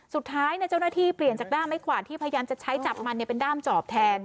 สุดท้ายเจ้าหน้าที่เปลี่ยนจากด้ามไม้ขวานที่พยายามจะใช้จับมันเป็นด้ามจอบแทน